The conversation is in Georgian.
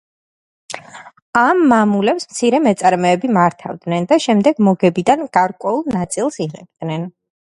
ამ მამულებს მცირე მეწარმეები მართავდნენ და შემდეგ მოგებიდან გარკვეულ ნაწილს იღებდნენ.